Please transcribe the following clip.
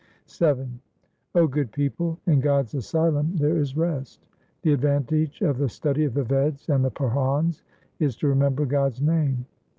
VII O good people, in God's asylum there is rest. The advantage of the study of the Veds and the Purans is to remember God's name.